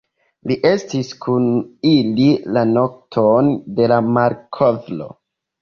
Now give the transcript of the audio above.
Li estis kun ili la nokton de la malkovro.